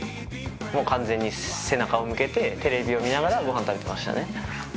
完全に背中を向けてテレビを見ながらご飯を食べてましたね。